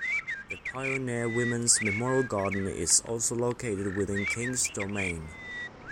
The Pioneer Women's Memorial Garden is also located within Kings Domain.